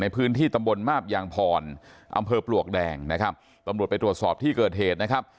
ในพื้นที่ตำบลมาบยางพรอำเภอปลวกแดงนะครับตำรวจไปตรวจสอบที่เกิดเหตุนะครับ